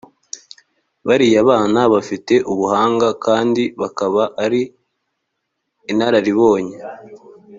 bariya bana bafite ubuhanga kandi bakaba ari inararibonye